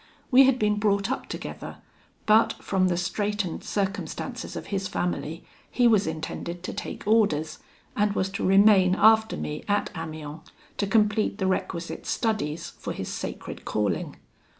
We had been brought up together; but from the straitened circumstances of his family, he was intended to take orders, and was to remain after me at Amiens to complete the requisite studies for his sacred calling.